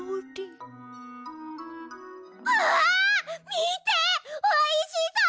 みておいしそう！